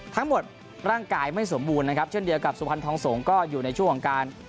ทั้งหมดร่างกายไม่สมบูรณ์นะครับเช่นเดียวกับสุพรรณทองสงฆ์ก็อยู่ในช่วงของการ